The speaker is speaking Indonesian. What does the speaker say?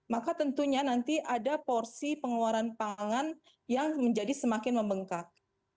maka tentunya nanti ada porsi pengeluaran pangan yang menjadi semakin membengkak